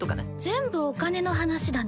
全部お金の話だね。